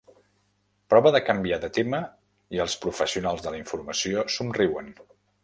Prova de canviar de tema i els professionals de la informació somriuen.